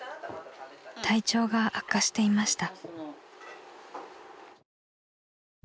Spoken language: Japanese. ［体調が悪化していました］